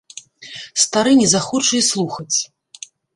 Стары не захоча й слухаць.